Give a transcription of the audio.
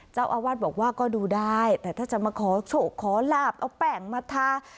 เจ้าอาวาสบอกว่าก็ดูได้แต่ถ้าจะมาขอโชคขอลาบเอาแป้งมาทา